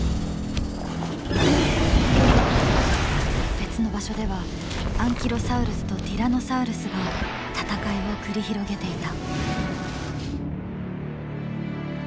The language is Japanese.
別の場所ではアンキロサウルスとティラノサウルスが戦いを繰り広げていた。